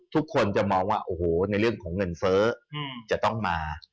ทุกคนจะมองว่าโอ้โหในเรื่องของเงินเฟ้อจะต้องมา